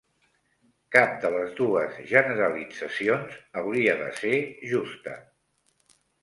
Cap de les dues generalitzacions hauria de ser justa.